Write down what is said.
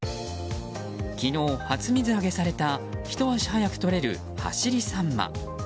昨日初水揚げされたひと足早く取れる走りサンマ。